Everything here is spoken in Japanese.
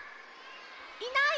いない？